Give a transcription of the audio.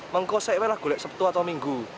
mengkosewalah gulai sepetu atau minggu